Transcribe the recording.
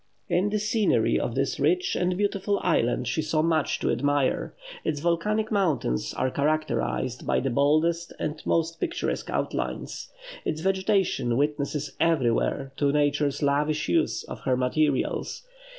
In the scenery of this rich and beautiful island she saw much to admire. Its volcanic mountains are characterized by the boldest and most picturesque outlines. Its vegetation witnesses everywhere to Nature's lavish use of her materials.